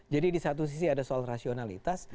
jadi di satu sisi ada soal rasionalitas